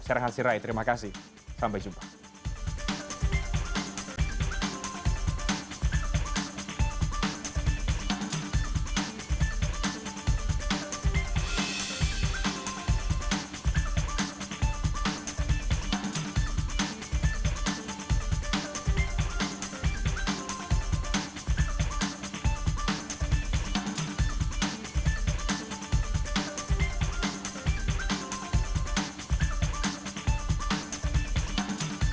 serahasi rai terima kasih sampai jumpa